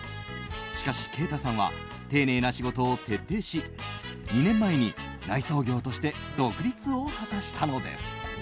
しかし、慶太さんは丁寧な仕事を徹底し、２年前に内装業として独立を果たしたのです。